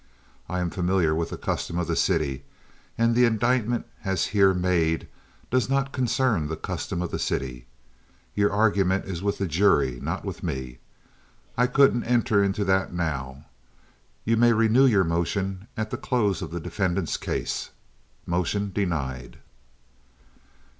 "I am familiar with the custom of the city, and the indictment as here made does not concern the custom of the city. Your argument is with the jury, not with me. I couldn't enter into that now. You may renew your motion at the close of the defendants' case. Motion denied."